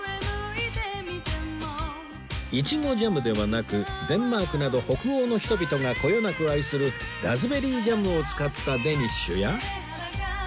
イチゴジャムではなくデンマークなど北欧の人々がこよなく愛するラズベリージャムを使ったデニッシュや